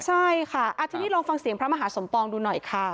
ใช่ค่ะทีนี้ลองฟังเสียงพระมหาสมปองดูหน่อยค่ะ